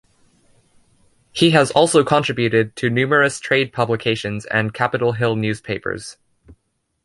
He has also contributed to numerous trade publications and Capitol Hill newspapers.